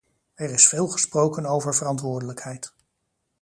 Er is veel gesproken over verantwoordelijkheid.